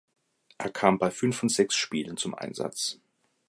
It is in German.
Er kam bei fünf von sechs Spielen zum Einsatz.